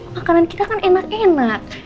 makanan kita kan enak enak